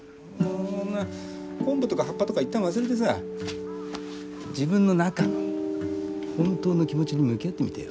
昆布とか葉っぱとか一旦忘れてさ自分の中の本当の気持ちに向き合ってみてよ。